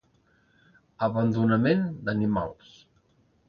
Abandonament d'animals.